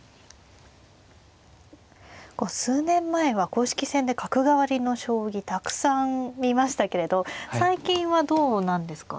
数年前は公式戦で角換わりの将棋たくさん見ましたけれど最近はどうなんですか？